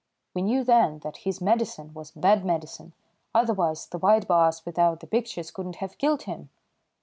We knew then that his medicine was bad medicine, otherwise the white baas without the pictures could not have killed him.